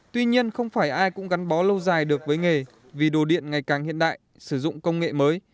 tuy nhiên không phải ai cũng gắn bó lâu dài được với nghề vì đồ điện ngày càng hiện đại sử dụng công nghệ mới